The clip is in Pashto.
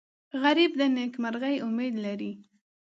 غریب د نیکمرغۍ امید لري